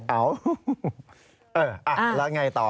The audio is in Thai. เออแล้วอย่างไรต่อ